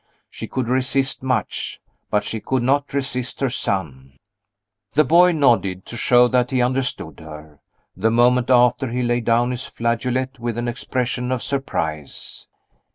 She could resist much but she could not resist her son. The boy nodded, to show that he understood her. The moment after he laid down his flageolet with an expression of surprise.